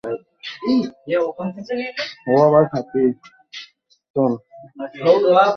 খবর দেখতে চাস, তাই না?